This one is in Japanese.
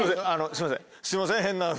あのすいません。